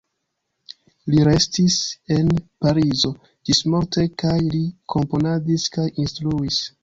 Li restis en Parizo ĝismorte kaj li komponadis kaj instruis.